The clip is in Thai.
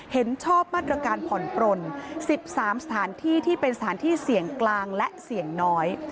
เห็นชอบมาตรการผ่อนปลน๑๓สถานที่ที่เป็นสถานที่เสี่ยงกลางและเสี่ยงน้อย